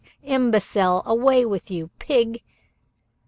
Imbecile! Away with you! Pig!"